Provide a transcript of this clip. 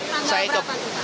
panggal berapa gitu pak